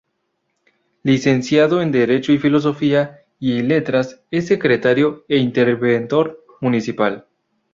Licenciado en Derecho y Filosofía y Letras, es Secretario e Interventor municipal.